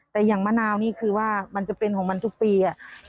แต่อย่างมะนาวนี่คือว่ามันจะเป็นของมันทุกปี